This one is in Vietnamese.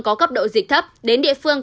có cấp độ dịch thấp đến địa phương